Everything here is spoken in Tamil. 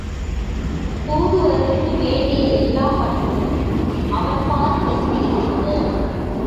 தூதுவருக்கு வேண்டிய எல்லாப் பண்புகளும் அவள்பாற் பொருந்தியிருந்தன.